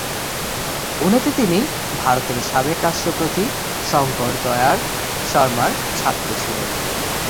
পুনেতে তিনি ভারতের সাবেক রাষ্ট্রপতি শঙ্কর দয়াল শর্মার ছাত্র ছিলেন।